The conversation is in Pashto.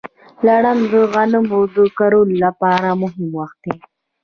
لړم د غنمو د کرلو لپاره مهم وخت دی.